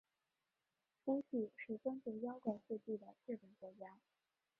夫婿是专注妖怪事迹的日本作家。